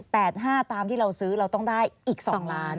ตามที่เราซื้อเราต้องได้อีกสองล้าน